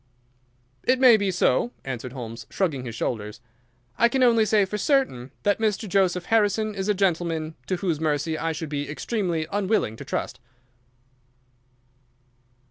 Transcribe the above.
"It may be so," answered Holmes, shrugging his shoulders. "I can only say for certain that Mr. Joseph Harrison is a gentleman to whose mercy I should be extremely unwilling to trust."